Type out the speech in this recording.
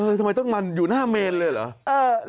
ทำไมต้องมันอยู่หน้าเมนเลยเหรอ